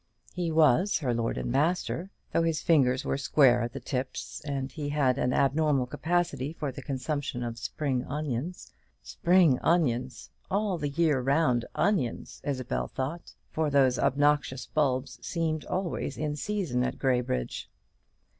He was her lord and master, though his fingers were square at the tips, and he had an abnormal capacity for the consumption of spring onions. Spring onions! all the year round onions, Isabel thought; for those obnoxious bulbs seemed always in season at Graybridge.